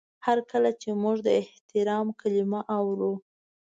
هر کله چې موږ د احترام کلمه اورو